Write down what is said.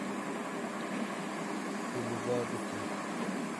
Tu li ba dikî.